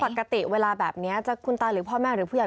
ปกติเวลาแบบนี้จะคุณตาหรือพ่อแม่หรือผู้ใหญ่